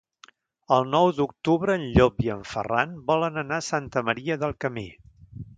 El nou d'octubre en Llop i en Ferran volen anar a Santa Maria del Camí.